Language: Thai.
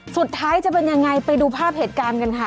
สุดท้ายจะเป็นยังไงไปดูภาพเหตุการณ์กันค่ะ